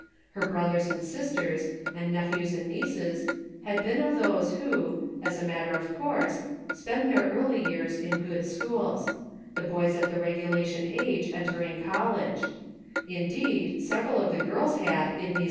Her brothers and sisters and nephews and nieces, had been of those who, as a matter of course, spend their early years in good schools ; the boys at the regulation age enter ing college ; indeed, several of the girls had in these no GROWING "NECESSARY.